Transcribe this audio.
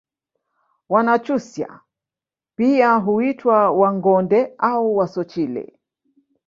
Wanyakyusa pia huitwa Wangonde au Wasochile